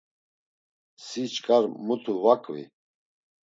Si çkar mutu va qvi.